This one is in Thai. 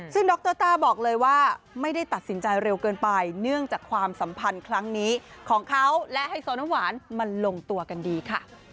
ซึ่งดรต้าบอกเลยว่าไม่ได้ตัดสินใจเร็วเกินไปเนื่องจากความสัมพันธ์ครั้งนี้ของเขาและไฮโซน้ำหวานมันลงตัวกันดีค่ะ